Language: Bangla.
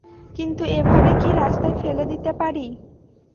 কিন্তু এভাবে কী রাস্তায় ফেলে দিতে পারি?